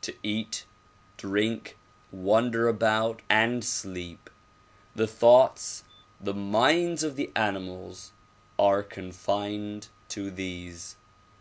To eat, drink, wander about and sleep. The thoughts, the minds of the animals are con fined to these.